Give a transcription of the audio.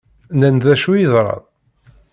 Nnan-d d acu yeḍran?